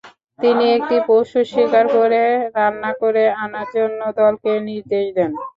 তিনি একটি পশু শিকার করে রান্না করে আনার জন্যে দলকে নির্দেশ দেন।